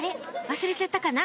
忘れちゃったかな？